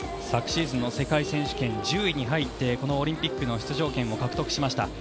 昨シーズンの世界選手権１０位に入ってこのオリンピックの出場権を獲得しました。